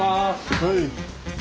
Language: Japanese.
はい。